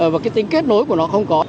và cái tính kết nối của nó không có